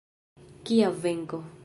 Kia venko!